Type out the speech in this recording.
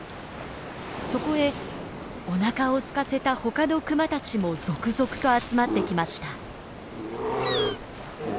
そこへおなかをすかせたほかのクマたちも続々と集まってきました。